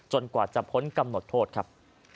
กว่าจะพ้นกำหนดโทษครับ